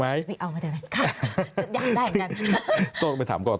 เอามาเต็มค่ะอยากได้เหมือนกัน